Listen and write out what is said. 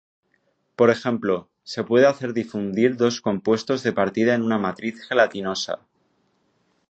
Por ejemplo, se puede hacer difundir dos compuestos de partida en una matriz gelatinosa.